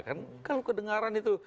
kan kalau kedengaran itu